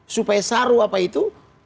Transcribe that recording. supaya saru apa itu